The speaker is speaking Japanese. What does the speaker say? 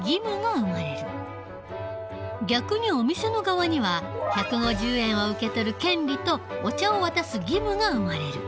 逆にお店の側には１５０円を受けとる権利とお茶を渡す義務が生まれる。